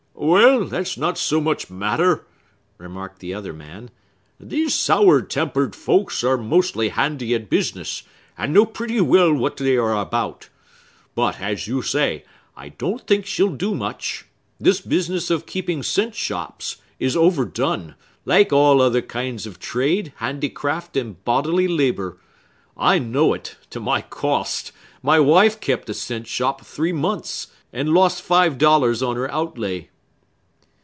"Well, that's not so much matter," remarked the other man. "These sour tempered folks are mostly handy at business, and know pretty well what they are about. But, as you say, I don't think she'll do much. This business of keeping cent shops is overdone, like all other kinds of trade, handicraft, and bodily labor. I know it, to my cost! My wife kept a cent shop three months, and lost five dollars on her outlay."